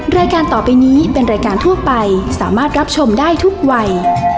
รายการต่อไปนี้เป็นรายการทั่วไปสามารถรับชมได้ทุกวัย